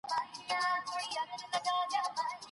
سړی اوس خبرې نه کوي.